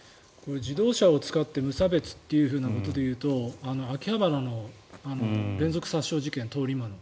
自動車を使って無差別というふうなことでいうと秋葉原の連続殺傷事件通り魔の。